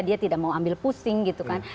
dia tidak mau ambil pusing gitu kan